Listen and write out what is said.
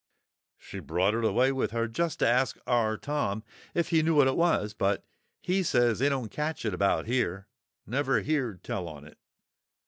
She brought it away with her just to ask our Tom if he knew what it was; but he says they don't catch it about here; never heeard tell on it.